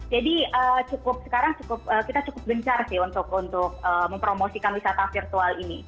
jadi cukup sekarang cukup kita cukup gencar sih untuk untuk mempromosikan wisata virtual ini